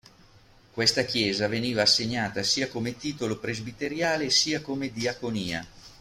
Questa chiesa veniva assegnata sia come titolo presbiteriale sia come diaconia.